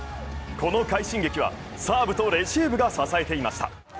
この快進撃はサーブとレシーブが支えています